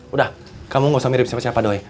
udah kamu gak usah mirip siapa siapa doy